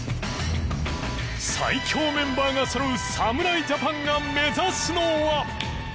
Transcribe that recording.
最強メンバーがそろう侍ジャパンが目指すのは。